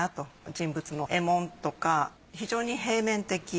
人物の衣紋とか非常に平面的。